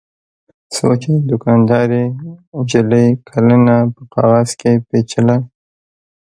څو چې دوکاندارې نجلۍ کلنه په کاغذ کې پېچله.